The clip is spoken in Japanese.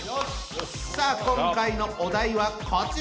さあ今回のお題はこちら！